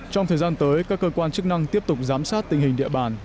trong thời gian tới các cơ quan chức năng tiếp tục giám sát tình hình địa bàn